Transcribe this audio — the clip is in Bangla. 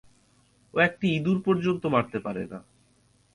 ও একটা ইঁদুর পর্যন্ত মারতে পারে না।